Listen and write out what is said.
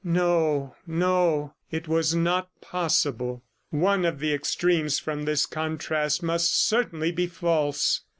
No; no, it was not possible. One of the extremes of this contrast must certainly be false!